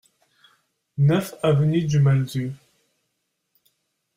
neuf avenue du Malzieu